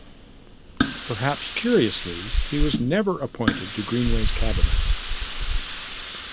Perhaps curiously, he was never appointed to Greenway's cabinet.